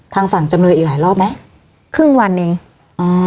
ทางฝั่งจำเลยอีกหลายรอบไหมครึ่งวันเองอ่า